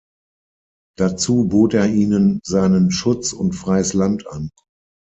Dazu bot er ihnen seinen Schutz und freies Land an.